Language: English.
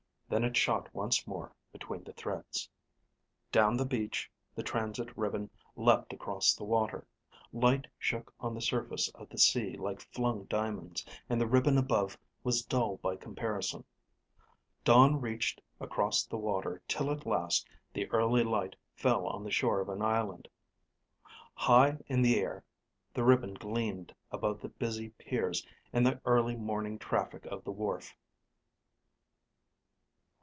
Then it shot once more between the threads. Down the beach, the transit ribbon leapt across the water. Light shook on the surface of the sea like flung diamonds, and the ribbon above was dull by comparison. Dawn reached across the water till at last the early light fell on the shore of an island. High in the air, the ribbon gleamed above the busy piers and the early morning traffic of the wharf.